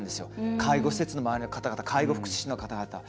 介護施設の周りの方々介護福祉士の方々